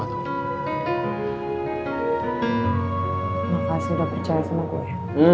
makasih udah percaya sama gue